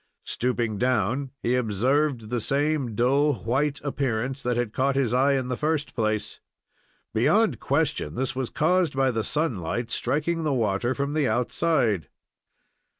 Stooping down, he observed the same dull, white appearance that had caught his eye in the first place. Beyond question this was caused by the sunlight striking the water from the outside.